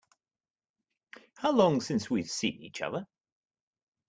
How long since we've seen each other?